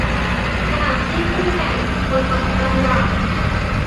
ขณะที่คู่แข่งคนสำคัญอย่าง